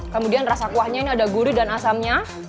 kemudian rasa kuahnya ini ada gurih dan asamnya